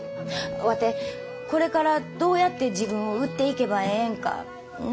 ワテこれからどうやって自分を売っていけばええんか悩んでんねん。